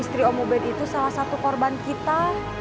istri om ubed itu salah satu korban kita